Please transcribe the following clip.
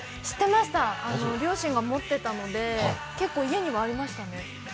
知ってました両親が持ってたので結構、家にはありましたね。